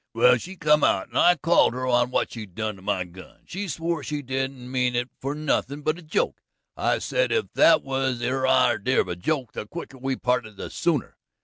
Well, she come out, and I called her on what she done to my gun. She swore she didn't mean it for nothin' but a joke. I said if that was her idear of a joke, the quicker we parted the sooner.